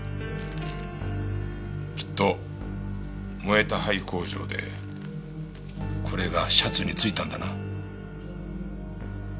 きっと燃えた廃工場でこれがシャツに付いたんだな。